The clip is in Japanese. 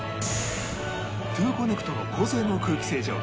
トゥーコネクトの高性能空気清浄機